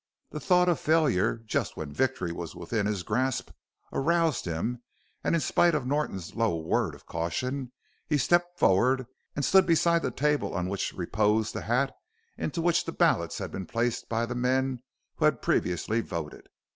The thought of failure just when victory was within his grasp aroused him and in spite of Norton's low word of caution he stepped forward and stood beside the table on which reposed the hat into which the ballots had been placed by the men who had previously voted.